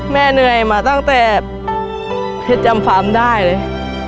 เหนื่อยมาตั้งแต่เพชรจำฟาร์มได้เลย